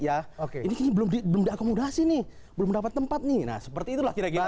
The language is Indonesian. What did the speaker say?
ya oke ini belum diakomodasi nih belum dapat tempat nih nah seperti itulah kira kira